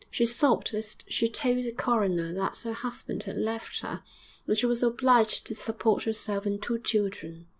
She sobbed as she told the coroner that her husband had left her, and she was obliged to support herself and two children.